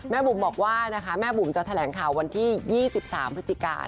บุ๋มบอกว่านะคะแม่บุ๋มจะแถลงข่าววันที่๒๓พฤศจิกา